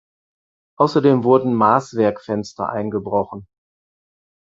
Außerdem wurden Maßwerkfenster eingebrochen.